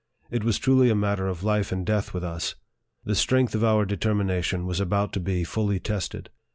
It was truly a matter of life and death with us. The strength of our deter mination was about to be fully tested.